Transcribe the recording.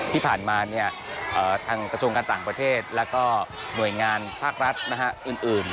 ที่ผ่านมาทางกระทรวงการต่างประเทศแล้วก็หน่วยงานภาครัฐอื่น